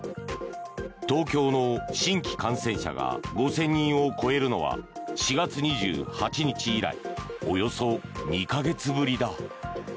東京の新規感染者が５０００人を超えるのは４月２８日以来およそ２か月ぶりだ。